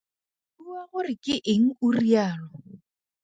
Bua gore ke eng o rialo.